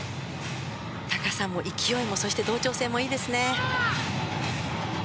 高さも勢いもそして同調性もいいですね。